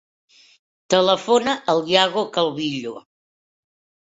Telefona al Yago Calvillo.